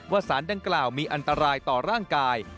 สารดังกล่าวมีอันตรายต่อร่างกาย